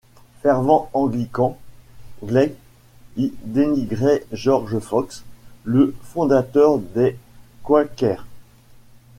Fervent anglican, Gleig y dénigrait George Fox, le fondateur des quakers.